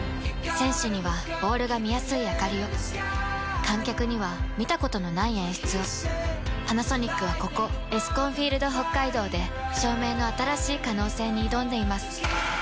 選手にはボールが見やすいあかりを観客には見たことのない演出をパナソニックはここエスコンフィールドＨＯＫＫＡＩＤＯで照明の新しい可能性に挑んでいます